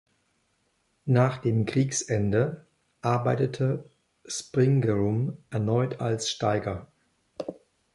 Nach dem Kriegsende arbeitete Springorum erneut als Steiger.